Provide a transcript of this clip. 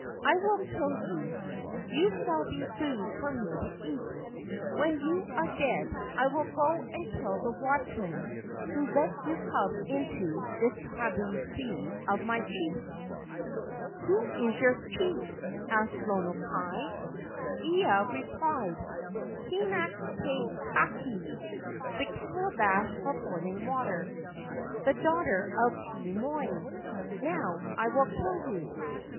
I will kill you. You shall be food for me to eat. When you are dead I will go and kill the watchman who let you come into this tabu sea of my chief." KE AU NINI 213 "Who is your chief?" asked Lono kai. Ea re¬ plied :' 'Hina kekai [the calabash for boiling water], the daughter of Pii moi. Now I will kill you."